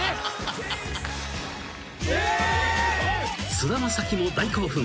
［菅田将暉も大興奮］